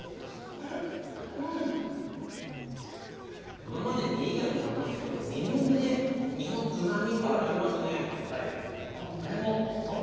今まで身以外も食べましたが身も、身のうまみがありますね。